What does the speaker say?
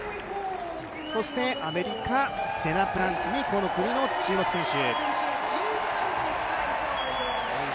そしてアメリカ、ジェナ・プランティニ、この国の注目選手。